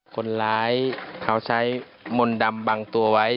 คนร้ายเขาใช้มนต์ดำบังตัวไว้